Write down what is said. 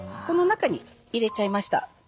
この中に入れちゃいました。